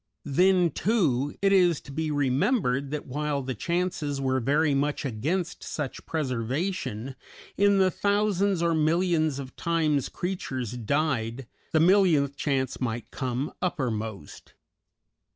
Then, too, it is to be remembered that while the chances were very much against such preservation, in the thousands or millions of times creatures died the millionth chance might come uppermost.